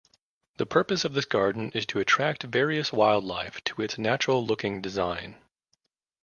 The purpose of this garden is to attract various wildlife to its natural-looking design.